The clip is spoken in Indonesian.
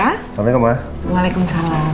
assalamu'alaikum ma wa'alaikum salam